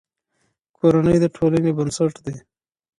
کورنۍ د ټولنې بنسټ دی.